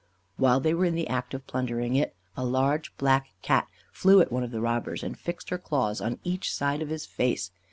While they were in the act of plundering it, a large black Cat flew at one of the robbers, and fixed her claws on each side of his face.